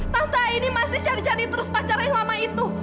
tante aini masih cari cari terus pacaran lama itu